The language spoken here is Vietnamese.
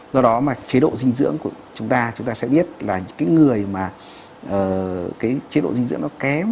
do đó mà chế độ dinh dưỡng của chúng ta chúng ta sẽ biết là những cái người mà cái chế độ dinh dưỡng nó kém